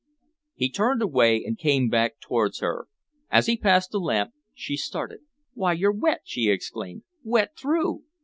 He turned away and came back towards her. As he passed the lamp, she started. "Why, you're wet," she exclaimed, "wet through!"